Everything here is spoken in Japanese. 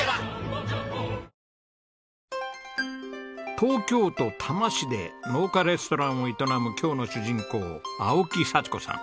東京都多摩市で農家レストランを営む今日の主人公青木幸子さん。